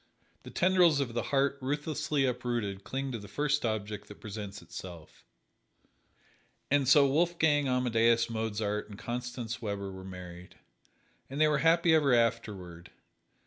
The tendrils of the heart ruthlessly uprooted cling to the first object that presents itself. And so Wolfgang Amadeus Mozart and Constance Weber were married. And they were happy ever afterward.